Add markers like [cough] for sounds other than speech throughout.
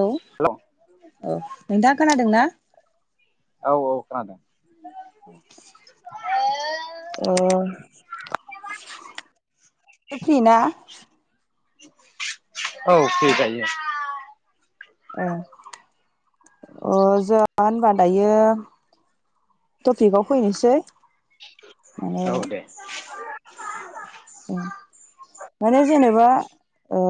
औ हेलौ औ नोंथाङा खोनादोंना? औ औ खोनादों। ओ फ्रि ना? औ फ्रि दायो। ओ अ जों होनबा दायो टपिकआव फैनोसै माने औ दे उम माने जेनेबा ओ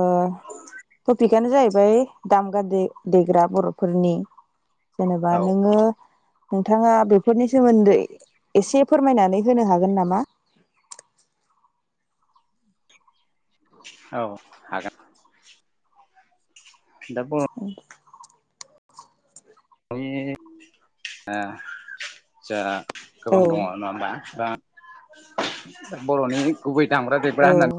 टपिकआनो जाहैबाय दामगा दे-देग्रा बर'फोरनि। जेनेबा औ नोङो नोंथाङा बेफोरनि सोमोन्दै एसे फोरमायनानै होनो हागोन नामा? औ। दाब्ब' उम। [unintelligible] ओ जोंहा औ गोबां दङ नङा होमबा। दा बर'नि गुबै दामग्रा औ देग्रा होननानै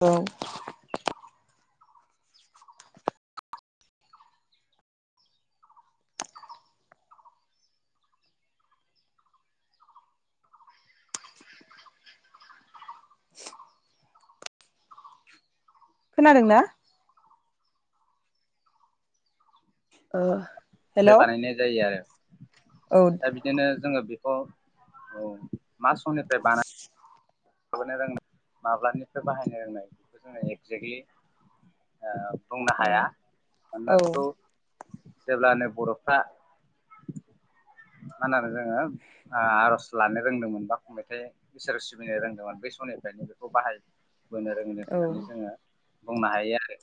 औ। खोनादों ना? ओ ओमफ्राय हेलौ बानायनाय जायो आरो। औ। दा बिदिनो जोङो बेखौ औ मा समनिफ्राय बाना माबानो रों माब्लानिफ्राय बाहायनो रोंनाय बेखौ जोङो एगजेक्टलि ओ बुंनो औ हाया। मानोना औ बेखौ जेब्लानो बर'फ्रा मानानै जोङो आर'ज लानो रोंदोंमोनबा खंबथाय इसोर सिबिनो रोंदोंमोन बै समनिफ्रायनो बेखौ बाहायबोनो रोंदों औ होननानै जोङो बुंनो हायो आरो।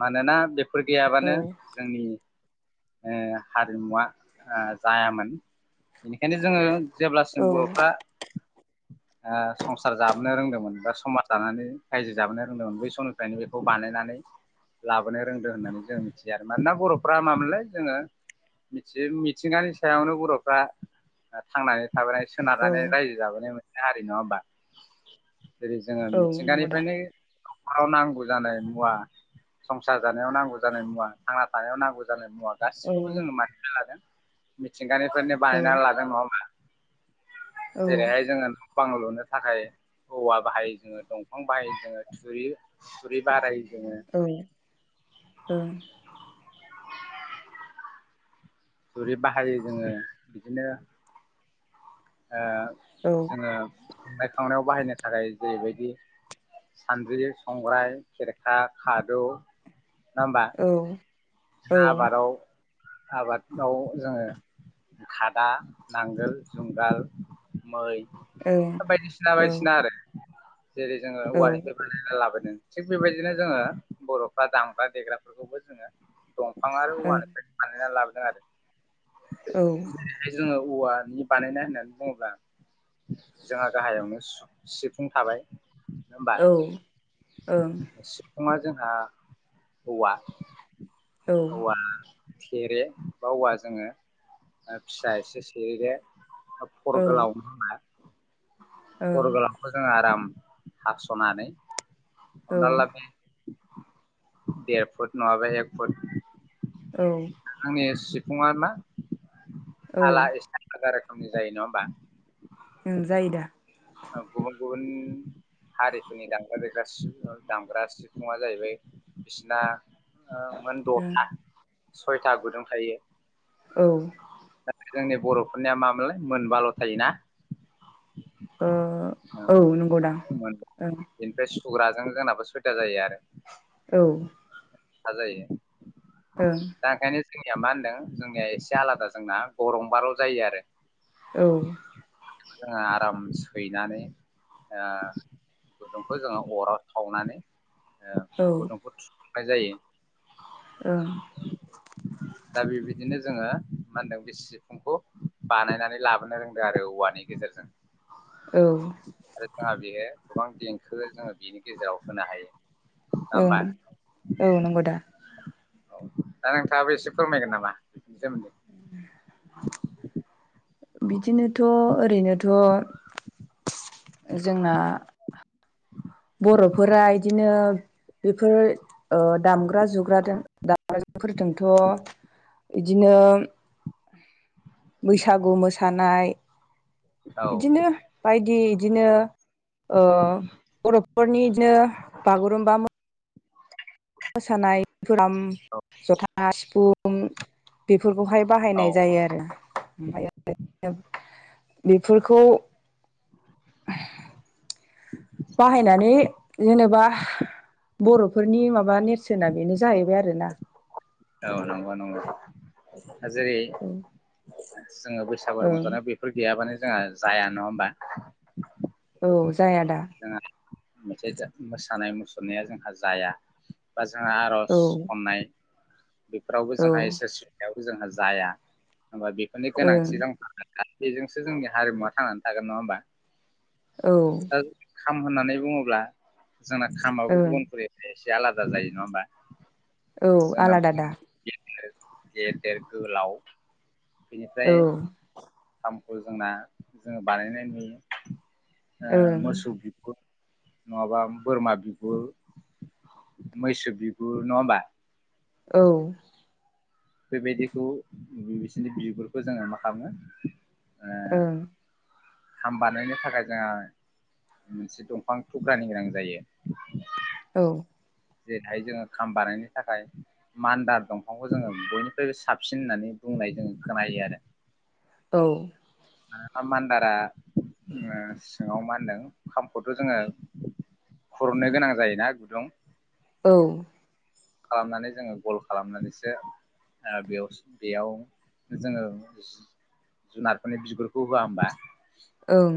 मानोना बेफोर गैयाबानो औ जोंनि ओ हारिमुवा ओ जायामोन बेनिखायनो जोङो जेब्लासिम बर'फ्रा ओ संसार जाबोनो रोंदोंमोन बा समाज जानानै रायजो जाबोनो रोंदोंमोन बै समनिफ्रायनो बेखौ बानायनानै लाबोनो रोंदों होननानै जों मिथिया आरो मानोना बर'फ्रा मामोनलाय जोङो मिथि मिथिंगानि सायावनो बर'फ्रा थांनानै थाबोनाय औ सोनारानानै रायजो जाबोनाय मोनसे हारि नङा होमबा। जेरै जोङो औ नंगौ दा मिथिंगानिफ्रायनो नखराव नांगौ जानाय मुवा संसार जानायाव नांगौ जानाय मुवा थांना थानायाव नांगौ जानाय मुवा गासिखौबो ओं जोङो मानिनानै लादों मिथिंगानिफ्रायनो जायो बानायनानै लादों नङा होमबा। जेरैहाय जोङो बां लुनो थाखाय औवा बाहायो जोङो दंफां बाहायो जोङो थुरि थुरि बाराय‌ जोङो ओं ओं। थुरि बाहायो जोङो। बिदिनो ओ औ। जोङो संनाय खावनायाव बाहायनो थाखाय जेरैबायदि सान्द्रि, संग्राय, खेरखा, खादौ नङा होमबा। बिनो आबादाव आबादाव जोङो खादा, नांगोल, जुंगाल, मै बायदिसिना बायदिसिना आरो जेरै जोङो औवानिफ्राय बा ना लाबोदों थिग बेबायदिनो जोङो बर'फ्रा दामग्रा देग्राफोरखौबो जोङो दंफां आरो औवानिफ्रायनो बानायनानै लाबोदों आरो औ हाय जोङो औवानि बानायनाय होननानै बुङोब्ला जोंहा गाहायावनो सिफुं थाबाय नङा होमबा औ ओं सिफुङा जोंहा औवा औ औवा थेरे बा औवा जोङो फिसा एसे सेरैे फर गोलावनो फर' गोलावखौ जोङो आराम हास'नानै हमना ला बे देर फुट नङाब एक फुट औ आंनि सिफुङा मा आाला एसे आलादा रोखोमनि जायो नङा होमबा ओम जायो दा ओ गुबुन गुबुन हारिफोरनि दामग्रा देग्रा दामग्रा सिफुङा जाहैबाय बिसिना ओ मोन दथा सयथा गुदुं थायो औ दा जोंनि बर'फोरनिया माोनलाय मोनबाल' थायोना ओ औ नंगौदां मोन बेनिफ्राय सुग्राजों जोंनाबो सुबिदा जायो आरो औ हाजायो ओं दा ओंखायनो जोंनिया मा होनदों जोंनिया एसे आलादा जोंना गरं बाल' जायो आरो औ दा बेखौ जों आराम सै नानै ओ गुदुंखौ जोङो अराव सावनानै ओ औ [unintelligible] जायो ओं दा बेबायदिनो जोङो मा होनदों बेसि सिफुंखौ बानायनानै लाबोनो रोंदों आरो औवानि गेजेरजों औ आरो जोंहा बेयो गोबां देंखो जोङो बेनि गेजेराव होनो हायो नङा होमबा ओं औ नंगौ दा औ दा नोंथाङाबो एसे फोरमायगोन नामा बेनि सोमोन्दै बिदिनोथ' ओरैनोथ' जोंना बर'फोरा इदिनो बेफोर ओ दामग्रा जुग्राजों दामग्रा जुफोरजोंथ' बिदिनो बैसागु मोसानाय औ बिदिनो बायदि इदिनो ओ बर'फोरनि बिदिनो बागुरुम्बा मोसानाय खाम जथा सिफुं बेफोरखौहाय औ बाहायनाय जायो आरो ओमफायो बेफोरखौ बाहायनानै जेनेबा बर'फोरनि माबा नेरसोना बेनो जाहैबाय आरो औ नंगौ नंगौ दा जेरै जोङो बैस सागु औ रंसानायाव बेफोर गैयाबानो जोंहा जाया नङा होमबा। औ जायादा। मेथाइजों मोसानाय मुसुरनाया जोंहा जाया बा जोंहा आर'ज औ खन्नाय बेफोरावबो जोंहा औ इसोर सावबो जोंहा जाया होमबा बेफोरनि ओं गोनांथि जों बेजोंसो जोंनि हारिमुवा थांनानै थागोन नङा होमबा। औ दा खाम होननानै बुङोब्ला जोंना खामाबो ओं गुबुनफोरनि एसे आलादा जायो नङा होमबा। औ [inaudible] जोंना आलादा उम दा गे गेदेर गोलाव बेनिफ्राय औ खामखौ जोंना जोङो बानायनाय नुयो। ओ ओं मोसौ बि गुर नङाबा बोरमा बिगुर मैसो बिगुर नङा होमबा। औ। बेबायदिखौ बिसोरनि बिबफोरखौ जोङो मा खालामो ओ ओं। खाम बानायनो थाखाय जोङो मोनसे दंफां थुख्रानि गोनां जायो। औ। जेरैहाय जोङो खाम बानायनो थाखाय मान्दार दंफांखौ जोङो बयनिफ्रायबो साबसिन होननानै बुंनाय जोंङो खोनायो आरो। औ। ओ बा मान्दारा ओ सिङाव मा होनदों खामखौथ' जोङो खुरनो गोनां जायोना गुदुं। औ। खालामनानै जोङो गल खालामनानैसो जोंहा बेयावसो बेयाव जोङो जुनारफोरनि बिगुरखौ होआ होमबा। ओं।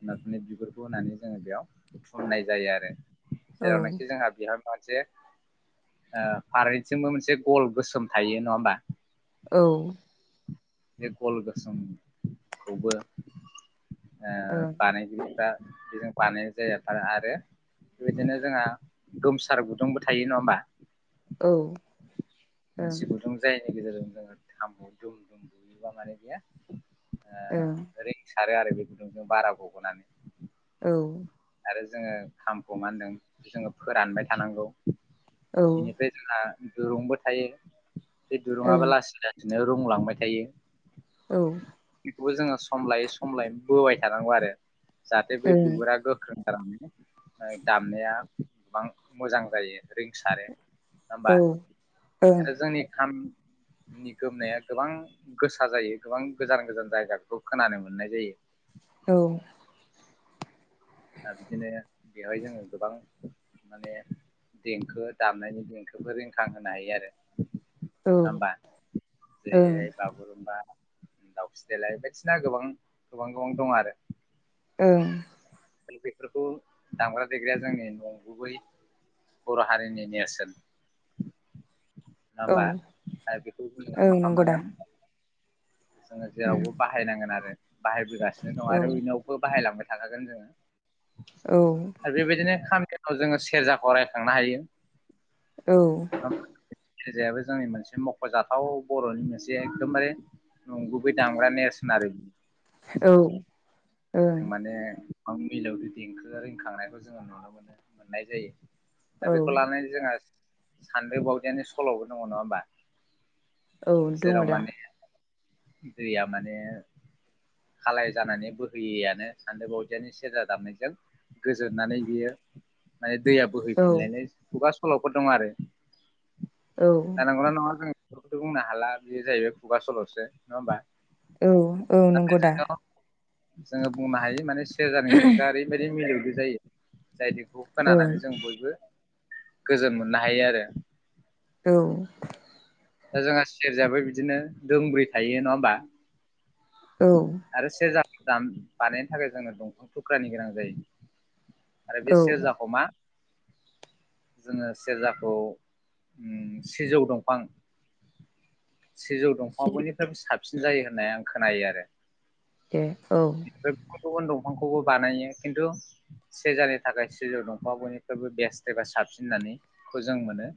जुनारफोरनि बिगुरखौ होनानै जोङो बेयाव बुथुमनाय जायो आरो। जेरावनाखि जोंहा बिहा मोनसे ओ फारैथिंबो मोनसे गल गोसोम थायो नङा होमबा? औ। बे गल गोसोमखौबो ओ बानायनो दा बेजों बानायनाय जाया आरो बेबायदिनो जोंहा गोमसार गुदुंबो थायो नङा होमबा। औ। मोनसे ओं गुदुं जायनि गेजेरजों जोङो थामबु दुम दुम बुयोबा माने बेयो ओ ओं। रिंसारो आरो बे गुदुंजों बारा गबोनानै। औ। आरो जोङो खामखौ मा होनदों जोङो फोरानबाय थानांगौ। औ ओं बेनिफ्राय जोंहा दुरुंबो थायो। बे औ दुरुंङाबो लासै लासै बिदिनो रुंलांबाय थायो। औ। बेखौबो जोङो सम लायै सम लायै बोबाय थानांगौ आरो। जाहाथे बे औ बिगुरा गो - गोख्रों जानानै दामनाया गोबां मोजां जायो रिंसारो। होमबा आरो जोंनि खाम नि गोमनाया गोबां गोसा जायो गोबां गोजान गोजान जायगाखौ खोनानो मोननाय जायो। औ। दा बिदिनो बेवहाय जोङो गोबां माने देंखो दामनायनि देंखोफोर रिंखां होनो हायो आरो। नङा ओं होमबा। जैैरैहाय बागुरुमबा दाउस्रि देलाय बायदिसिना गोबां गोबां गोबां दं आरो। ओं। बेफोरखौ दामग्रा देग्राया जोंनि नंगुबै बर' हारिनि नेरसोन नङा औ होमबा? दा बेफोरखौ जोङो ओं मा नंगौ दा खालामनांगोन? जोङो उम जेरावबो बाहायनांगोन आरो। बाहायबोगासिनो दं औ आरो इयुनाव बो बाहायलांबाय थाखागोन जोङो। औ। बेबायदिनो खामनियाव जोङो सेरजाखौ रायखांनो हायो। औ। [unintelligible] सेरजायाबो जोंनि मोनसे मख'जाथाव बर'नि मोनसे एखदमबारे नंगुबै दामग्रा नेरसोन आरो। औ। ओं माने गोबां मिलौदो देंखोआ रिंखांनायखौ जोङो नुनो मोनो मोननाय जायो। दा औ बेखौ लानानै जोंहा सान्दों बावदियानि सल'बो दङ नङा होमबा? औ दङ जेराव दा। माने दैया माने खालाय जानानै बोहैयैयानो सान्दो बावदियानि सेरजा दामनायजों गोजोननानै बियो माने दैया औ बोहैफिनलायनाय खुगा सल'फोर दं आरो। औ नंगौ ना नङा जों बेफोरखौथ' बुंनो हाला बेयो जाहैबाय खुगा सल'सो नङा होमबा? औ औ नंगौ दा [unintelligible] जोङो बुंनो हायो माने सेरजानि देंखोआरि बेबायदिनो मिलौदो जायो जाय बेखौ ओं खोनानानै जों बयबो गोजोन मोननो हायो आरो। औ। दा जोंहा सेरजायाबो बिदिनो दोंब्रै थायो नङा होमबा? औ। आरो सेरजा दाम बानायनो थाखाय जोङो दंफां थुख्रानि गोनां जायो। आरो बे औ सेरजाखौ मा [inaudible] जोङो सेरजाखौ उम सिजौ दंफां सिजौ सि दंफांयाबो बयनिफ्रायबो साबसिन जायो होननाय आं खोनायो आरो। ए औ। बे गुबुन गुबुन दंफांखौबो बानायो खिन्थु सेरजानि थाखाय सिजौ दंफाङा बयनिख्रुइबो बेस्ट एबा साबसिन होननानै खौ जों मोनो‌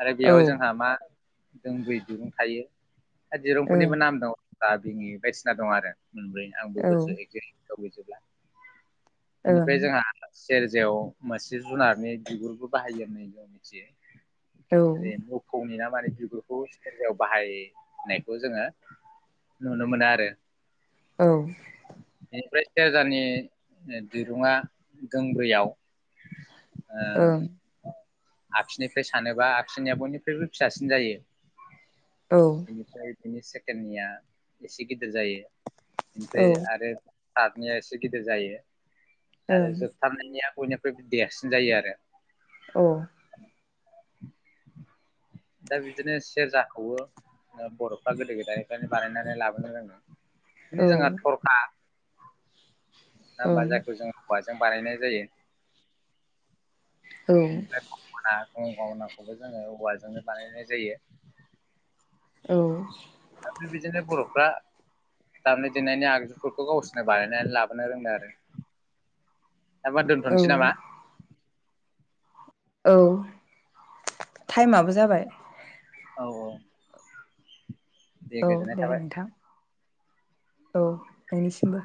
आरो औ बेयावहाय ओं जोंहा मा दोंब्रै दिरुं थायो आरो दिरुंफोरनिबो नाम दङ। बिङि बायदिसिना दं आरो मोनब्रै आंबो औ ओं गोसोआव [unintelligible] गैजोबब्ला। औ बिनिफ्राय जोंहा सेरजायाव मोनासे जुनारनि बिगुरबो बाहायो होननानै जों मिथियो। औ ओं [unintelligible] मोफौनि ना माने बिगुरखौ सेरजायाव बाहायनायखौ जोङो नुनो मोनो आरो। औ। बेनिफ्राय सेरजानि ओ दिरुङा दोंब्रैयाव [inaudible] ओ आगसिनिफ्राय सानोबा आगसिनिया बयनिख्रबो फिसासिन जायो। औ। बेनिफ्राय बिनि सेकेणडनिया एसे गिदिर जायो बेनिफ्राय आरो थार्दनिया एसे गिदिर जायो औ आरो ओं जोबथारनायनिया बयनिख्रुइबो देरसिन जायो आरो। औ। दा बिदिनो सेरजाखौवो बर'फ्रा गोदो गोदायनिफ्रायनो बानायनानै लाबोनो रोङो बिदिनो जोंहा ओं थरखा ना होमबा औ जायखौ जोङो हौवाजों बानायनाय जायो। बेनिफ्राय गना गंगनाखौबो जोङो औवाजोंनो बानायनाय जायो। औ। बिदिनो बर'फ्रा दामनाय देनायनि आगजुफोरखौ गावसोरनो बानायनानै लाबोनो रोंदों आरो। दा मा औ दोनथ'नोसै नामा औ टाइमाबो जाबाय। औ औ औ दे गोजोननाय थाबाय। नोंथां औ नोंनिसिमबो